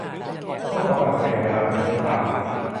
พวกเขาปั่นจักรยานไปตามถนนในป่า